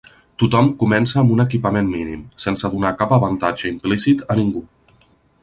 Tothom comença amb un equipament mínim, sense donar cap avantatge implícit a ningú.